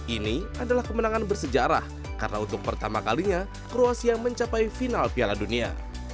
ini adalah kemenangan bersejarah karena untuk pertama kalinya kroasia mencapai final piala dunia